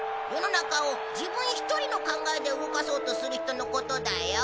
世の中を自分一人の考えで動かそうとする人のことだよ。